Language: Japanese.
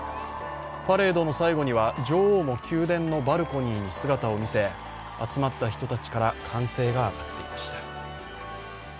パレードの最後には女王も宮殿のバルコニーに姿を見せ集まった人たちから歓声が上がっていました。